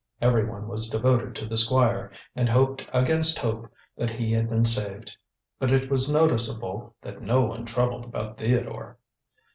Everyone was devoted to the Squire, and hoped against hope that he had been saved. But it was noticeable that no one troubled about Theodore.